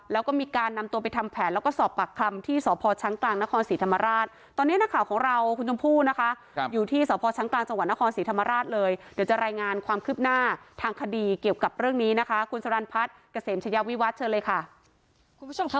แล้วความคลิปหน้าทางคดีเกี่ยวกับเรื่องนี้คุณสรันพัฐกเสมชะเยาะวิวัดเชิญเลยค่ะ